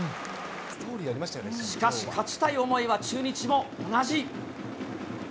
しかし、勝ちたい思いは中日も同じ。